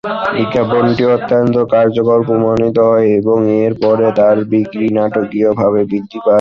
বিজ্ঞাপনটি অত্যন্ত কার্যকর প্রমাণিত হয় এবং এর পরে তার বিক্রি নাটকীয়ভাবে বৃদ্ধি পায়।